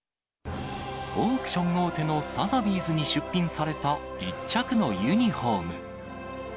オークション大手のサザビーズに出品された１着のユニホーム。